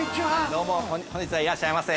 ◆どうも本日はいらっしゃいませ。